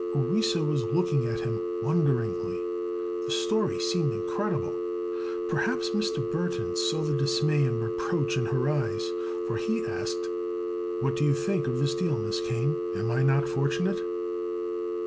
Orissa was looking at him wonderingly. The story seemed incredible. Perhaps Mr. Burthon saw the dismay and reproach in her eyes, for he asked: "What do you think of this deal, Miss Kane? Am I not fortunate?"